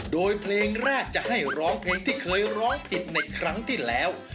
โดยเพลงแรกจะให้ร้องเพลงที่เคยร้องผิดในครั้งที่แล้ว